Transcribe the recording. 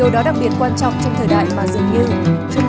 hồi nay hết cha mẹ chỉ là cầu nối giữa con gái và những ký ức nổi thơ của chúng